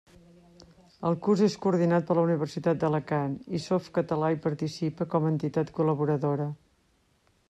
El curs és coordinat per la Universitat d'Alacant, i Softcatalà hi participa com a entitat col·laboradora.